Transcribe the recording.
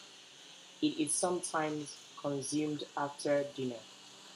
It is sometimes consumed after dinner.